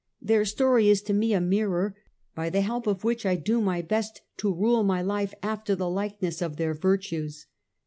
Their story is to me a mirror, by the help of which I do my best to rule my life after the likeness of their virtues.